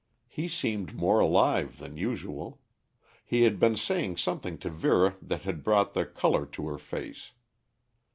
He seemed more alive than usual; he had been saying something to Vera that had brought the color to her face.